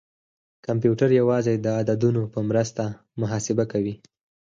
کمپیوټر یوازې د عددونو په مرسته محاسبه کوي.